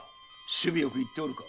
首尾よくいっておるか？